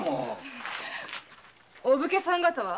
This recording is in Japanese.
お武家さん方は？